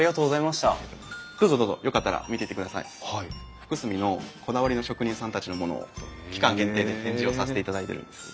福住のこだわりの職人さんたちのものを期間限定で展示をさせていただいてるんです。